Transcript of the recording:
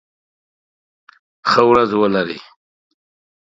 ښه ورځ ولری